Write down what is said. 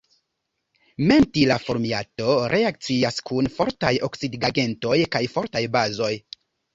Mentila formiato reakcias kun fortaj oksidigagentoj kaj fortaj bazoj.